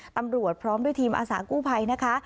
ตำรวจพร้อมด้วยทีมอาสากู้ภัยนะคะ